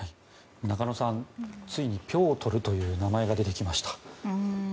中野さん、ついにピョートルという名前が出てきました。